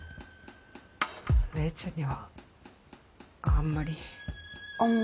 麗ちゃんにはあんまり。